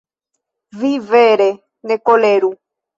Vi, vere, ne koleru.